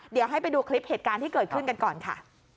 เดี๋ยวให้ไปดูคลิปเหตุการณ์ที่เกิดขึ้นกันก่อนค่ะ